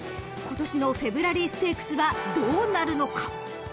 ［今年のフェブラリーステークスはどうなるのか］